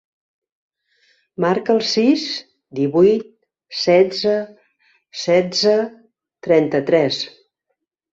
Marca el sis, divuit, setze, setze, trenta-tres.